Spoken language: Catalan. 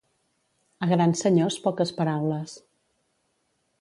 A grans senyors, poques paraules.